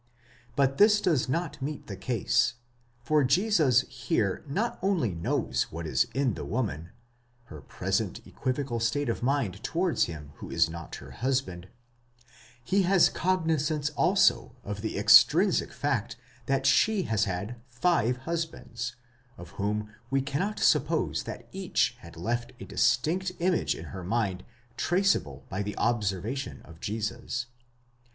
But this does not meet the case; for Jesus here not only knows what is in the woman,—her present equivocal state of mind towards him who is not her husband,—he has cognizance also of the extrinsic fact that she has had five husbands, of whom we cannot suppose that each had left a distinct image in her mind traceable by the observation of Jesus.